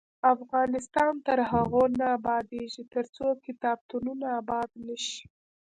افغانستان تر هغو نه ابادیږي، ترڅو کتابتونونه اباد نشي.